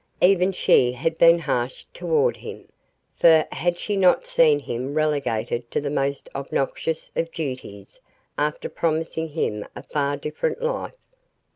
Even she had been harsh toward him, for had she not seen him relegated to the most obnoxious of duties after promising him a far different life?